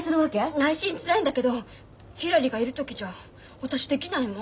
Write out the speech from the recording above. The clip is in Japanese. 内心つらいんだけどひらりがいる時じゃ私できないもん。